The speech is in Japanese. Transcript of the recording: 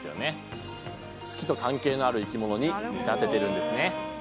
月と関係のある生き物に見立ててるんですね。